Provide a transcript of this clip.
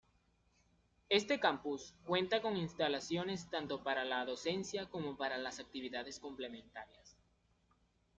Este campus cuenta con instalaciones tanto para la docencia como para las actividades complementarias.